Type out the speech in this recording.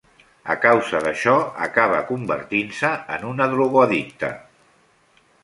A causa d'això acaba convertint-se en una drogoaddicta.